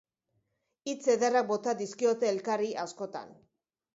Hitz ederrak bota dizkiote elkarri, askotan.